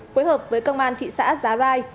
phối hợp với công an thị xã giá lai